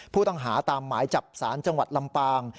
ผู้ต้องหาตามหมายจับสารจังหวัดลำปาง